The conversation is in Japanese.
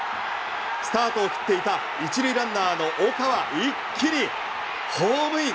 スタートを切っていた１塁ランナーの岡は一気にホームイン。